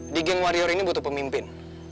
di geng warrior ini butuh pemimpin